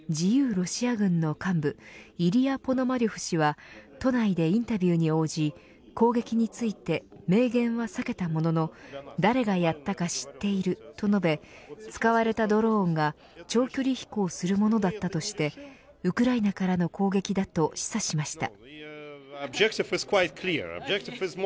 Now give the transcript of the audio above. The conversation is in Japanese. ロシア軍の幹部イリヤ・ポノマリョフ氏は都内でインタビューに応じ攻撃について明言は避けたものの誰がやったか知っていると述べ使われたドローンが長距離飛行するものだったとしてウクライナからの攻撃だと示唆しました。